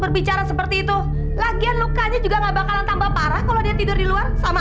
berbicara seperti itu lagian lukanya juga enggak bakalan tambah parah kalau dia tidur di luar sama